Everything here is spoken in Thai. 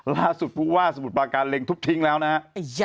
ล่าสุดพูดว่าสมุทรปลาการลิ่งทุบทิ้งแล้วนะฮะ